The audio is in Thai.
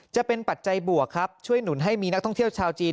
ปัจจัยบวกครับช่วยหนุนให้มีนักท่องเที่ยวชาวจีน